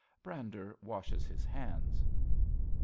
Brander washes his hands.)